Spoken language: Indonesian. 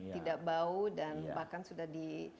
tidak bau dan bahkan sudah di